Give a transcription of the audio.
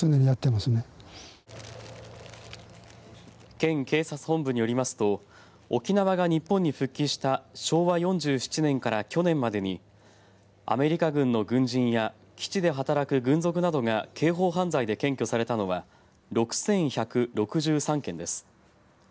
県警察本部によりますと沖縄が日本に復帰した昭和４７年から去年までにアメリカ軍の軍人や基地で働く軍属などが刑法犯罪で検挙されたのは６１６３件です。